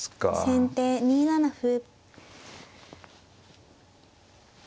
先手２七歩。